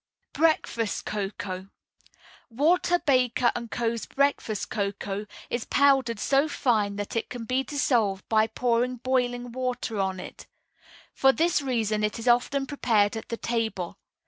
BREAKFAST COCOA Walter Baker & Co.'s Breakfast Cocoa is powdered so fine that it can be dissolved by pouring boiling water on it. For this reason it is often prepared at the table.